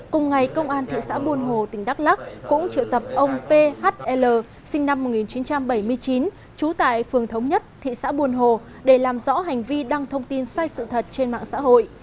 cùng ngày công an thị xã buôn hồ tỉnh đắk lắc cũng triệu tập ông phl sinh năm một nghìn chín trăm bảy mươi chín trú tại phường thống nhất thị xã buôn hồ để làm rõ hành vi đăng thông tin sai sự thật trên mạng xã hội